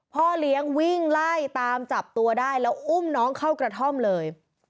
พ่อเลี้ยงวิ่งไล่ตามจับตัวได้แล้วอุ้มน้องเข้ากระท่อมเลย